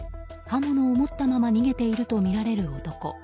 刃物を持ったまま逃げているとみられる男。